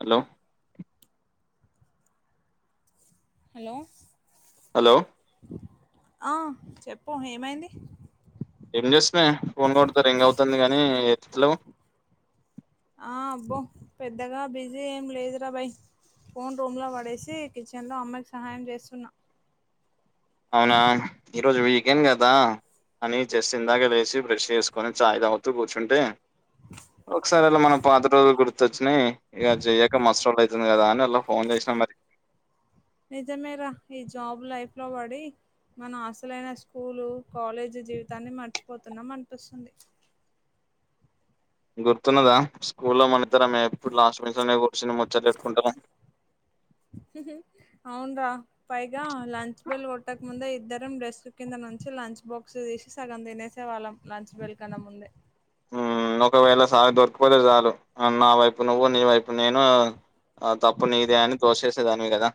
Hello hello hello ఆ చెప్పు ఏమైంది ఏం చేస్తుమే ఫోన్ కొడుతే రింగ్ అవుతుంది కానీ ఎతుతలెవ్ ఆ అబ్బో పెద్దగా బిజీ ఏం లేదురాబాయ్ ఫోన్ రూమ్ లో పడేసి కిచెన్ లో అమ్మాయికి సహాయం చేస్తున్నా అవునా ఈరోోజు వీకెం కదా అని జస్ట్ ఇందాకే లేసి బ్రష్ చేసుకొని చాయి్ తాగుతూ కూర్చుంటే ఒకసారి అలా మనం పాత రోజులు గుర్తొచ్చినయి ఇగ అది చెయ్యాక మస్తు రోజులు అవుతుంది కదా అని అలా ఫోన్ చేస్ మర్ నిజమేర ఈ జాబ్ లైఫ్ లో పడి మన ఆశలైన స్కూలు కాలేజీ జీవితాన్ని మర్చిపోతున్నాం అనిపిస్తుంది గుర్తున్నదా స్కూ లో మన ఇద్దరమే ఎప్పుడు లాస్ట్ బెంచ్ లోనే కూర్చొని ముచ్చట్లు పెట్టుకుంటా అవున్రా పైగా లంచ్ బెల్ కొట్టక ముందే ఇద్దరం డ్రెస్క్ కింద నుంచి లంచ్ బాక్స్ తీసి సగం తినేసేవాళ్ళం లంచ్ బెల్కన్నా ముందే మ్ ఒకవేళ సార్ కు దొరికిపోతే చాలు నా వైపు నువ్వు నీ వైపు నేను ఆ తప్పు నీదే అని తోసేసేదానివి కదా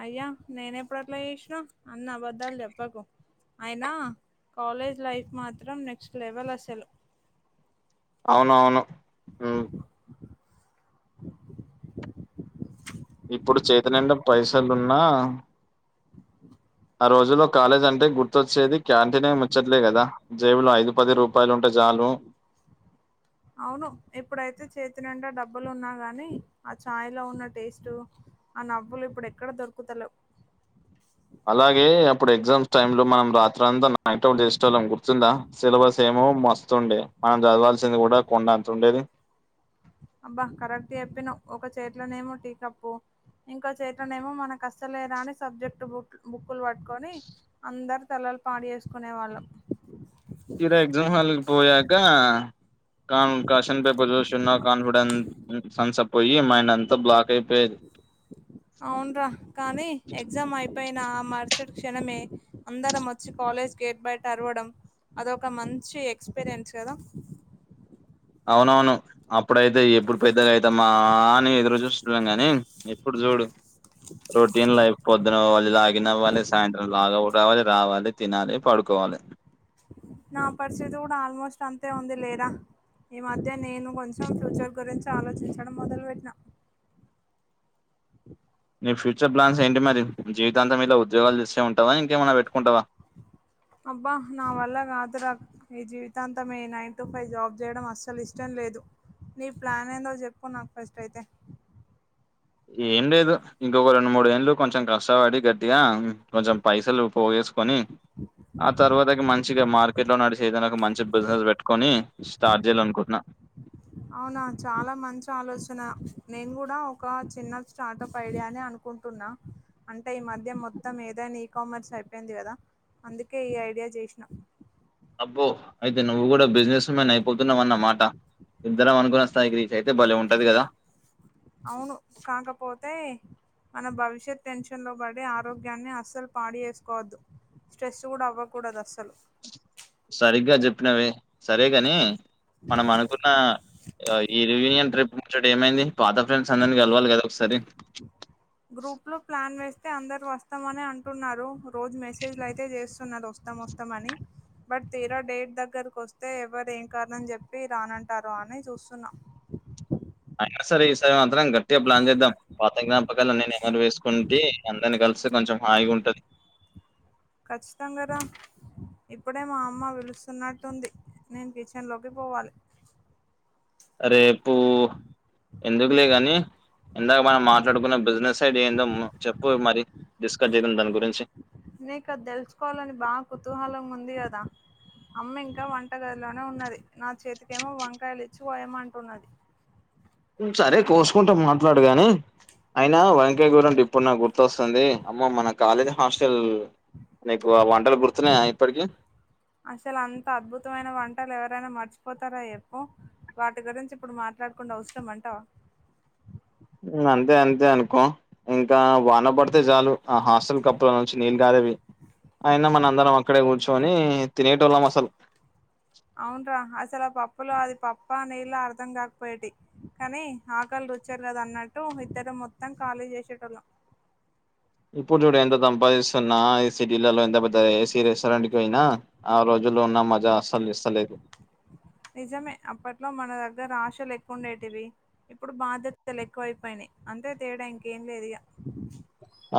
అయ్యా నేను ఎప్పుడు అట్లా చేసీన అన్ని అబద్ధాలు చెప్పకు అయినా కాలేజ్ లైఫ్ మాత్రం నెక్స్ట్ లెవెల్ అసలు అవునవును మ్ [inaudible] ఇప్పుడు చేతి నిండా పైసలున్నా ఆ రోజుల్లో కాలేజ్ అంటే గుర్తొచ్చేది క్యాంటీన్ ఎ ముచ్చట్లే ఎ కదా జేబులో ఐదు పది రూపాయలు ఉంటే జాలు [inaudible] అవును ఇప్పుడైతే చేతినిండా డబ్ డబ్బులున్నా కానీ ఆ ఛాయ్లో ఉన్న టేస్టు ఆ నవ్వులు ఇప్పుడు ఎక్కడ దొరుకుతలేవ్ [inaudible] అలాగే అప్పుడు ఎగ్జామ్స్ టైమ్ లో మనం రాత్రంతా నైట్ ఔట్ జేసేటోళ్ళం గుర్తుందా సిలబస్ ఏమో ఓ మస్తుండే మనం జదవాల్సింది గూడా కొండంత ఉండేది అబ్బ కరెక్ట్ చెప్పినవ్ ఒక చేట్లనేమో టీ కప్పు ఇంకా చేత్లనేమో మనకు అస్సలే రాని సబ్జెక్ట్ బుక్ బుక్ కుల్ వట్టుకొని అందరు తలల్ పాడు చేేసుకునే వాళ్ళం ఈడ ఎగ్జామ్ హాలుకు పోయాకా కామ్ క్వశ్చన్ పేపర్ జూశున్న కాన్ఫిడెన్ సన్సపోయి మైండ్ అంతా బ్లాక్ అయిపోయేది అవున్రా కానీ ఎ ఎగ్జామ్ అయిపోయిన ఆ మర్సటి క్షణమే అందరం ఒచ్చి కాలేజ్ గేట్ బయట అరవడం అదొక మంచి ఎక్స్పీరియన్స్ గదా అవునవును అప్పుడైతే ఎప్పుడు పెద్దగ అయితమా అని ఎదుర్ రుజూస్తున్నం గానీ ఇప్పుడు జూడు రొటీన్ లైఫ్ పొద్దున వోవాల్ లాగిన్ అవ్వాలే సాయంత్రం లాగౌట్ అవ్వాలే రావాలి తినాలి పడుకోవాలె నా పరిస్థితి కూడా ఆల్మోస్ట్ అంతే ఉంది లేరా ఈ మధ్య నేను కొంచెం ఫ్యూచర్ గురించి ఆలోచించడం మొదలు వెట్టినా [inaudible] నీ ఫ్యూచర్ ప్లాన్స్ ఏంటి మరి జీవితాంతం ఇలా ఉద్యోగాలు చేస్తే ఉంటావా ఇంకేమైనా వెట్టుకుంటవా అబ్బా నా వల్ల గాదురా ఈ జీవితాంతం ఈ నైన్ టు ఫైవ్ జాబ్ జేయడం అస్సల్ ఇష్టం లేదు నీ ప్లాన్ ఏందో జెప్పు నాకు ఫస్ట్ అయితే ఏం లేదు ఇంకొక రెండు మూడు ఏండ్లు కొంచెం కష్టపడి గట్టిగా కొంచెం పైసలు పోగేసు కొని ఆ తర్వాత ఇగ మంచిగ మార్కెట్ లో నడిచే ఏదన ఒక మంచి బిజినెస్ వెట్టు అవునా చాలా మంచి ఆలోచన నేన్ గూడా ఒక చిన్న స్టార్ట్అప్ ఐడియా అని అనుకుటున్నా అంటే ఈ మధ్య మొత్తం ఏదై నీ కామర్స్ అయిపోయింది గదా అందుకే ఈ ఐడియా చేసినా అబ్బో అయితే నువ్వు కూడా బిజినెస్ మ్యాన్ అయిపోతున్నావ్ అన్నమాట ఇద్దరం అనుకున్న స్థాయికి రీచ్ అయితే భలే ఉంటది గదా అవును కాకపోతే మన భవిష్యత్ టెన్షన్ లో పడి ఆరోగ్యాన్ని అస్సలు పాడు ఏసుకోవద్దు స్ట్రెస్సు గూడా అవ్వకూడదు అస్సలు సరిగ్గా జెప్పినవే సరే గానీ మనం అనుకున్న ఈ రివూనియన్ ట్రిప్ ముచ్చట ఏమైంది పాత ఫ్రెండ్స్ అందర్ని గలవాలి గదా ఒకసారి గ్రూప్ లో ప్లాన్ వేస్ తే అందరు వస్తామని అంటున్నారు రోజు మెసేజ్లు అయితే జేస్తున్నారు ఒస్తం ఒస్తం అని బట్ తీరా డేట్ దగ్గరు కొస్తే ఎవ్వరు ఏం కారణం జెప్పి రానంటారో అని చూస్సున్న [inaudible] అయినా సరే ఈ సై [unintelligible] అందరం గట్టిగ ప్లాన్ జేద్దాం పాత జ్ఞాపకాలు పకాలు అన్ని నిమరు వేసుకుంటీ అందరిని కలిసి కొంచెం హాయిగ ఉంటది ఖచ్చితంగ రా ఇప్పుడే మా అమ్మ విలుస్సున్నట్టుంది నేను కిచెన్ లోకి పోవాలి రేపూ ఎందుకులే గాని ఇందాక మనం మాట్లాడుకున్న బిజినెస్ సైడ్ ఏందో మ చెప్పు మరి డిస్కస్ జేద్దాం దాని గురించి నీకు అది తెలుసుకోవాలని బా కుతూహలం ఉంది గదా అమ్మ ఇంకా వంటగదిలోనే ఉన్నది నా చేతికేమో వంకాయలు ఇచ్చి వోయమంటున్నది ఉ సరే కోసుకుంట మాట్లాడు గాని అయినా వంకాయ కూర ఇప్పుడు నాకు గుర్తొస్తుంది అమ్మో మన కాలేజ్ హాస్టల్ నీకు ఆ వంటలు గుర్తున్నాయా ఇప్పటికి అసలు అంత అద్భుతమైన వంటలు ఎవరైనా మర్చిపోతారా చేప్పు వాటి గురించి ఇప్పుడు మా ట్లాడుకుండు అవసరమంటవా మ్మ్ అంతే అంతే అనుకో ఇంకా వాన పడితే చాలు ఆ హాస్టల్ కప్పుల నుంచి నీళ్ళు కారేవి అయిన మన అందరం అక్కడే కూర్చోని తినేటోళ్ళం అసలు అవున్రా అసలు ఆ పప్పులో అది పప్ప నీళ్లా అర్ధం కాకపోయేటి కానీ ఆకలి తో చ్చారుకదా అన్నట్టు ఇద్దరు మొత్తం ఖాళీ చేసేటోల్లం ఇప్పుడు చూడు ఎంత సంంపాదిస్తున్నా ఈ సిటీలలో ఎంత పెద్ద ఏసీ రెస్టారెంట్కి పోయినా ఆ రోజుల్లో ఉన్న మజా అసలు ఇస్తలేదు నిజమే అప్పట్లో మన దగ్గర ఆశలు ఎక్కువుండేటివి ఇప్పుడు బాధ్యతలు ఎక్కువైపోయినాయి అంతే తేడా ఇంకేం లేదు ఇగ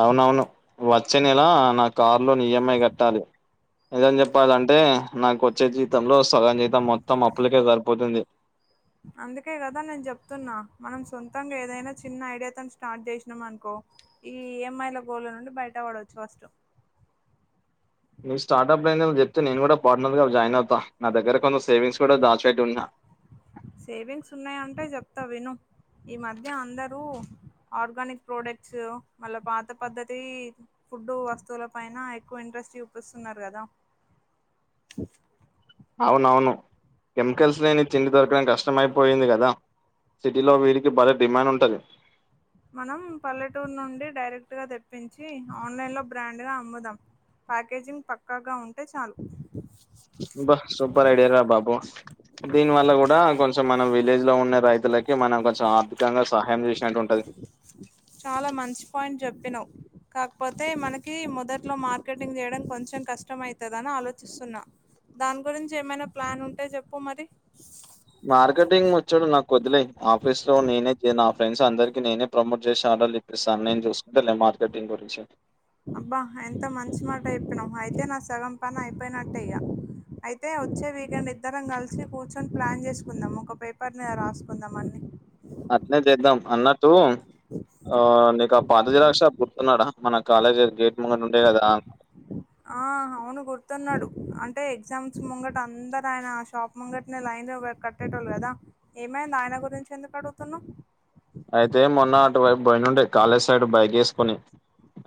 అవునవును వచ్చే నెలా నా కారు లోన్ ఈఎంఐ కట్టాలి నిజం చెప్పాలంటే నాకు వచ్చే జీవితంలో సగం జీతం మొత్తం అప్పులకే సరిపోతుంది అందుకే కదా నేను చెప్తున్నా మనం సొంతంగా ఏదైనా చిన్న ఐడియాతోని స్టార్ట్ చేసినాం అనుకో ఈ ఈఎంఐల గోళ నుండి బయట పడొచ్చు ఫస్ట్ నీ స్టార్ట్అప్ ప్లాన్ చెప్తే నేను కూడా పార్ట్నర్‌గా జాయిన్ అవుతా నాదగ్గర కొంత సేవింగ్స్ కూడా దాచిపెట్టి ఉన్నా సేవింగ్స్ ఉన్నాయంటే చెప్తా విను ఈ మధ్య అందరూ ఆర్గానిక్ ప్రోడక్ట్స్ మళ్ళ పాత పద్దతి ఫుడ్ వస్తువుల పైన ఎక్కువ ఇం ట్రెస్ట్ చూపిస్తున్నారు కదా అవునవును కెమికల్స్ లేని తిండి దొరకడం కష్టంమయిపోయింది కదా సిటీలో వీరికి భారీ డిమాండ్ ఉంటది మనం పల్లెటూరు నుండి డైరెక్ట్‌గా తెప్పించి ఆన్లైన్లో బ్రాండ్‌గా అమ్ముదాం ప్యాకేజింగ్ పక్కాగా ఉంటే చాలు అబ్బా సూపర్ ఐడియారా బాబూ దీని వల్ల కూడా కొంచెం మనం విలేజ్లో ఉన్న రైతులకి మనం కొంచెం ఆర్థికంగా సహాయం చేసినటువుం చాలా మంచి పాయింట్ చెప్పినావ్ కాకపోతే మనకి మొదట్లో మార్కెటింగ్ చేయడం కొంచెం కష్టంమయితదాని ఆలోచిస్తున్నా దాని గురించి ఏమైనా ప్లాన్ ఉంటే చెప్పు మరి మార్కెటింగ్ వచ్చాడు నాకు వదిలేయ్ ఆఫీస్లో నేనే నా ఫ్రెండ్స్ అందరికీ నేనే ప్రమోట్ చేసి ఆర్డర్లు ఇప్పిస్తా నేను చూసుకుంటాలే మార్కటింగ్ గురించి అబ్బా ఎంత మంచి మాట చెప్పినావు అయితే నా సగం పని అయిపోయినట్టే ఇగ అయితే వచ్చే వీకెండ్ ఇద్దరం కలిసి కూర్చొని ప్లాన్ చేసుకుందాం ఒక పేపర్ మీద రాసుకుందాం అన్ని అట్నే చేద్దాం అన్నట్టు ఆ నీకా పాత జిరాక్స్ షాప్ గుర్తున్నాడా మన కాలేజ్ గేట్ ముంగట ఉండే కదా ఆ అవును గుర్తున్నాడు అంటే ఎగ్జామ్స్ ముంగట అందరు ఆయన షాప్ ముంగటనే లైన్ కట్టేటోళు కదా ఏమైంది ఆయన గురించి ఎందుకు అడుగుతున్నా అయితే మొన్న అటువైపు బనుండే కాలే జ్ సైడ్ బైక్ ఏసుకొని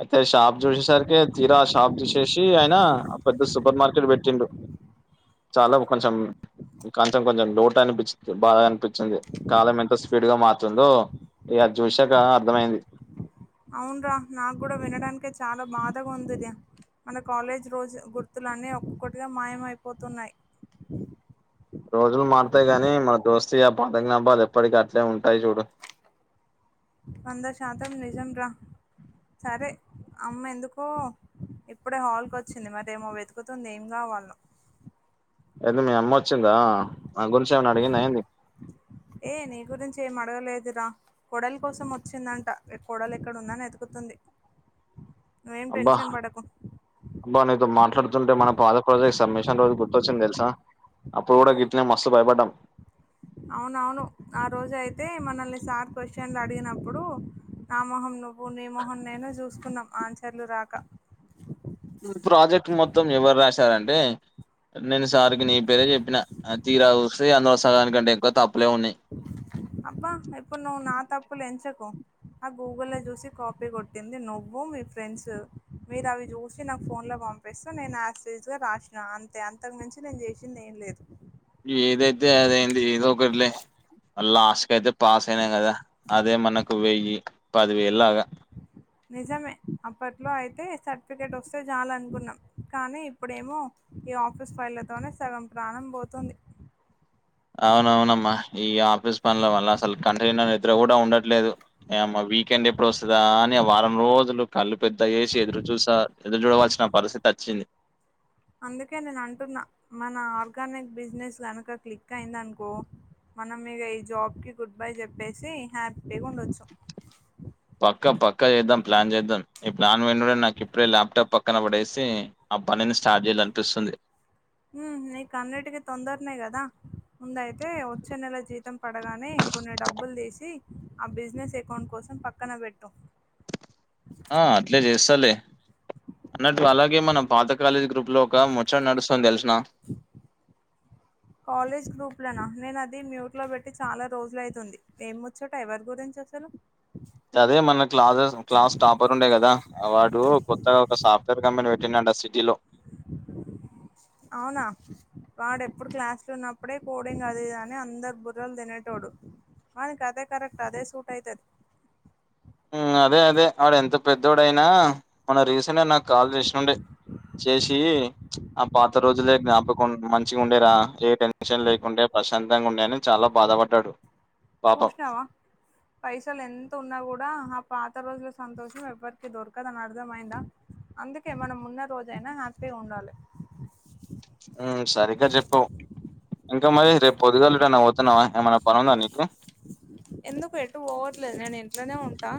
అయితే షాప్ చూసేసరికి తీరా షాప్ తీసేసి ఆయన పెద్ద సూపర్ మార్కెట్ పెట్టిండు చాలా కొంచెం ఇంకా అంతే కొంచెం లోటు అనిపిచింది బాధగా అనిపిచింది కాలం ఎంత స్పీడ్‌గా మారుతుందో ఇగ అది చూశాక అర్ధమైంది అవున్రా నాకూడా వినడానికే చాలా బాధగా ఉంది ఇది మన కాలేజ్ రోజు గుర్తు లన్ని ఒక్కోటిగా మాయమైపోతున్నాయి రోజులు మారతాయి గాని మన దోస్తీ ఎబ్ [unintelligible] ఎప్పటికి అట్లే ఉంటాయి జూడు వంద శాతం నిజం రా సరే అమ్మ ఎందుకో ఇప్పుడే హాల్ కొచ్చింది మరేమో వెతుకుతుంది ఏం గావాల్నో అయితే మీ అమ్మొచ్చిందా ఆగుంచి ఏమన్న అడిగింద ఏంది అడగడలేదు రా కొడల్ కోసమొచ్చిందంట ఎ కొడల్ ఎక్కడుందా అని ఎతుకుతుంది అబ్బా అబ్బా నీతో మాట్లాడు తుంటే మన పాద ప్రదేశం మిషన్ రోజు గుర్తొచ్చిందె లుసా అప్పుడు గూడా గిట్ననే మస్తు భయపడ్డం అవునవును ఆ రోజైతే మనల్ని సార్ క్వషండ్లు అడిగినప్పుడు నామోహం ను నువ్వు నీ మొహం నేను జూసుకున్నాం ఆన్సర్లు రాక ప్రాజెక్ట్ మొత్తం ఎవర్రాశారంటే నేను సార్కి నీ పేరే జెప్పిన ఆ తీరా వూస్తే అందులో సగానికంటే ఎక్కువ తప్ప్ అబ్బా ఎప్పుడు నువ్వు నా తప్పులేంచకు ఆ గూగుల్ లో జూసి కాపీ కొట్టింది నువ్వు మీ ఫ్రెండ్సు మీరు అవి జూసి నాకు ఫోన్ లో బం పిస్తే నేను యాస్టీజ్ గా రాసినా అంతే అంతకుమించి నేను జేసింది ఏం లేదు ఏదైతే అదైంది ఏదో ఒకట్లే ఆలాస్ట్ కైతే పాస్ అయినాం గదా అదే మనకు వెయ్యి పదివేల్లాగ ఆ నిజమే అప్పట్లో అయితే సర్టిఫికెటొస్తే చాలనుకున్నాం కానీ ఇప్పుడేమో ఈ ఆఫీస్ ఫైల్లతోనే సగం ప్రాణం బోతుంది అవునవునమ్మా ఈ ఆఫీస్ పండ్ల వల్ల అసల్ కంటి నిండని గూడా ఉండట్లేదు ఇయమ్మ వీకెండ్ ఎప్పుడొస్తదా అని వారం రోజులు కళ్ళు పెద్ద ఏసి ఎదురు చూసా ఎదురు జూడవలసిన పరిస్థితచ్చింది అందుకే నేనంటున్నా మన ఆర్గానిక్ బిజినెస్ గనుక క్లిక్కైందనుకో మనం ఇగ ఈ జాబ్ కి గుడ్ బై జెప్పేసి హ్యాపీగుండొచ్చు పక్క పక్క ఏద్దాం ప్లాన్ జేద్దాం ఈ ప్లాన్ విన్న వెంటనే నాకిప్పుడే ల్యాప్ టాప్ పక్కన బడేసి అబ్బా నిన్ని స్టాప్ జెయ్యల్ల అనిపిస్తుంది ఉ నీ కన్నిటికీ తొందర్నే గదా ఉందయితే వచ్చే నెల జీతం పడగానే కొన్ని డబ్బుల్ దీసి ఆ బిజినెస్ ఎకౌంట్ కోసం పక్కన వెట్టు ఆ అట్లే జేస్తాలే అన్నట్టు అలాగే మన పాత కాలేజీ గ్రూప్ లో ఒక ముచ్చట నడుస్తుంది దెల్సున కాలేజ్ గ్రూప్లొనా నేను అది మ్యూట్ లో బెట్టి చాలా రోజులైతుంది ఏం ముచ్చట ఎవరి గురించొ అసలు అదే మన క్లాసెస్ క్లాస్ టాపర్ ఉండే గదా వాడు కొత్తగా ఒక సాఫ్ట్వేర్ కంపెనీ పె ట్టింన్యంట సిటీలో అవునా వాడెప్పుడు క్లాస్లో ఉన్నప్పుడే కోడింగ్ అదిఇద అని అందరు బుర్రలు దినేటోడు వానికి అదే కరెక్ట్ అదే సూట్ అయితాది ఉ అదే అదే వాడెంత పెద్దోడయినా మన రీసెంట్ గా నాకు కాల్ జేసుండే చేేసి ఆ పాత రోజులే జ్ఞాపకం మంచిగా ఉండేరా ఏ టెన్షన్ లేకుంటే ప్రశాంతంగా ఉండేఅని చాలా బా బాదబడ్డాడు చూష్నావా పైసలు ఎంత ఉన్నా గూడా అప్ పాత రోజుల సంతోషం ఎవరికి దొరకదు అని అర్థమయిందా అందుకే మనం ఉన్న రోజు అయినా హ్యాపిగా ఉండాలి. సరిగ్గ చెప్పవు ఇంకా మరి రేపు పొద్దుగాలన్నా ఏటన్న పోతన్నావా ఏమైన్నా నీకు పనీ ఉందా నీకు ఎందుకు ఎటు పోవట్లేదు నేను ఇంట్లోనే ఉంటా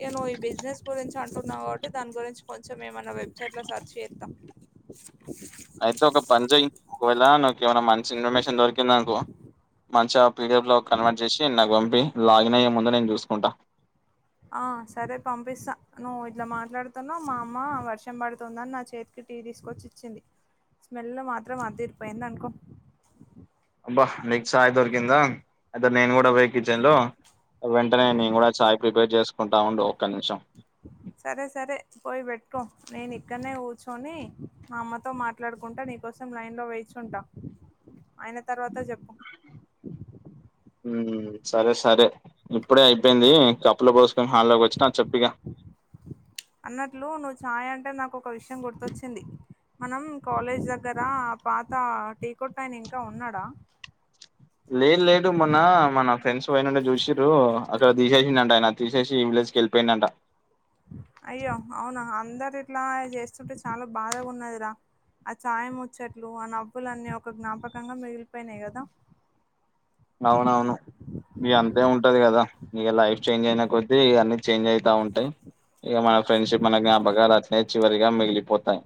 నేను ఈ బిజినెస్ గురించి అంటున్నా కాబట్టి దాని గురించి కొంచెం మేమన్న వెబ్సైట్లో సెర్చ్ చెత్త అయితే ఒక పని చేయి ఒకవేళ నీకు ఏమైనా మంచి ఇన్ఫర్మేషన్ దొరికింది అనుకో మంచిగా పీడిఎఫ్ లో కన్వర్ట్ చేసి నాకు పంపియి లాగిన్ అయ్యే ముందు నేను చూసుకుంటా ఆ సరే పంపిస్తా నువ్వు ఇట్లా మాట్లాడుతునవు మా అమ్మ వర్షం పడుతుందని నా చేతికి టీ తీసుకొచ్చి ఇచ్చింది స్మెల్ మాత్రం అదిరిపోయింది అనుకో ఇచ్చింద అయితే నేను కూడా పో కిచెన్ లో వెంటనే నేను కూడా చయ్ ప్రిపేర్ చేసు కుంటా ఉండు ఒక్క నిమిషం సరే సరే పోయి పెట్టుకో నేను ఇక్కడనే కూర్చొని మా అమ్మతో మాట్లాడుకుంటా నీ కోసం లైన్ లో వేచి ఉంటా అయిన తర్వాత చెప్పు హ్ సరే సరే ఇప్పుడే అయిపోయింది కప్పుల పోసు హాల్లోకి వోచ్చిన చెప్పిగా అన్నట్లు నువ్వు ఛాయ్ అంటే నాకు ఒక విషయం గుర్తొచ్చింది మనం కాలేజ్ దగ్గర పాత టీ కొట్టు అయినా ఇంకా ఉన్నాడా లేదు లేదు మొన్న మన ఫ్రెండ్స్ పోనుండే చూసిరు అక్కడ తీసేసిండు అంట ఆయన తీసేసి వీలే తీసుకెళ్ళిపోయిందంట అయ్యో అవునా అందరు ఇట్లా చేస్తుంటే చాలా బాధగా ఉన్నది ఆ ఛాయ ముచ్చట్లు ఆ నవ్వులు అన్నీ ఒక జ్ఞాపకంగా మిగిలిపోయినాయి కదా అవునవును ఇగ అంతే ఉంటది కదా ఇక లైఫ్ చేంజ్ అయిన కొద్దీ అన్ని చేంజ్ అయితా ఉంటాయి ఇక మన ఫ్రెండ్షిప్ మన జ్ఞాప గలు అట్నే చివరిగా మిగిలిపోతాయి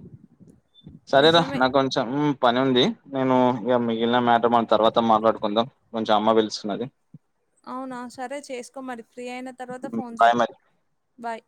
సరే రా నిజమే నాకు కొంచం పని ఉంది నేను ఇగా మిగిలిన మ్యాటర్ మనం తర్వాత మాట్లాడుకుందాం కొంచెం అమ్మ పిలుస్తున్నది. అవునా సరే చేసుకోమరి ఫ్రీ అయిన తర్వాత ఫోన్ బాయ్ చేయి మరి బాయ్